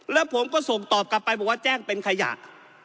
แล้วผมก็ส่งตอบกลับไปบอกว่าแจ้งเป็นขยะ